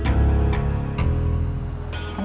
kamu bisa semua